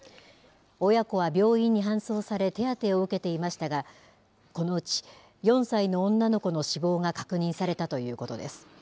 親子は病院に搬送され、手当てを受けていましたが、このうち４歳の女の子の死亡が確認されたということです。